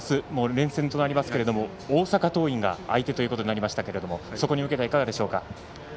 連戦となりますが大阪桐蔭が相手となりましたがそこに向けてはいかがでしょうか。